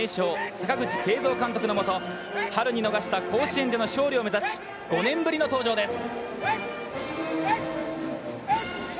阪口慶三監督のもと、春に逃した甲子園での勝利を目指し、５年ぶりの登場です。